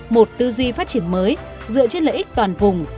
một tư duy phát triển mới dựa trên lợi ích toàn vùng